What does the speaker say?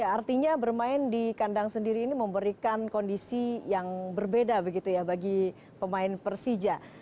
artinya bermain di kandang sendiri ini memberikan kondisi yang berbeda begitu ya bagi pemain persija